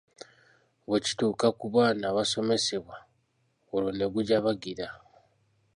Bwe kituuka ku baana abasomesebwa olwo ne gujabagira.